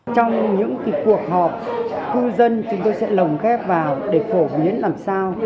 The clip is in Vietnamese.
trong những cuộc họp cư dân chúng tôi sẽ lồng ghép vào để phổ biến làm sao